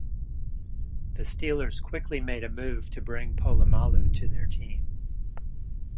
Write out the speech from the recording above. The Steelers quickly made a move to bring Polamalu to their team.